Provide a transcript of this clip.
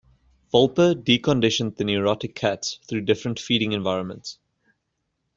Wolpe deconditioned the neurotic cats through different feeding environments.